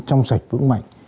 trong sạch vững mạnh